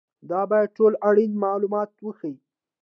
دا باید ټول اړین معلومات وښيي.